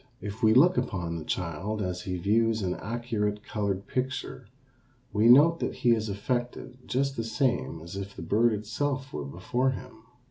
If we look upon the child as he views an accurate colored picture we note that he is affected just the same as if the bird itself were before him.